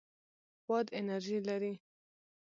باد انرژي لري.